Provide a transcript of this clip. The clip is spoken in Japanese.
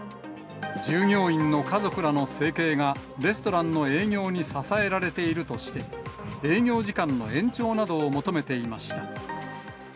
従業員の家族らの生計がレストランの営業に支えられているとして、営業時間の延長などを求めていました。